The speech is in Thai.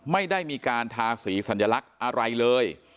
ไม่ได้มีการทาสีสัญลักษณ์อะไรเลย